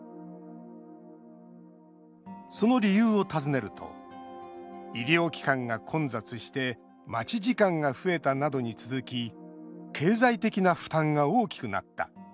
その理由を尋ねると「医療機関が混雑して待ち時間が増えた」などに続き「経済的な負担が大きくなった」